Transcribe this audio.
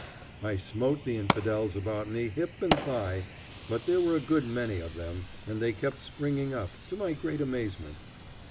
I smote the infidels about me hip and thigh, but there were a good many of them, and they kept springing up, to my great amazement.